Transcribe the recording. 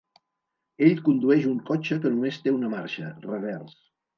Ell condueix un cotxe que només té una marxa, revers.